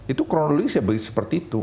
itu kronologisnya seperti itu